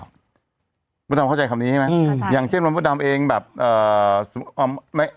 บ๊วยดำเข้าใจคำนี้ไหมอืมอย่างเช่นบ๊วยดำเองแบบเอ่อเอาไม่